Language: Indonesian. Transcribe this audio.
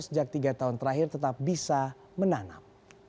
sejak tiga tahun terakhir tetap bisa menanam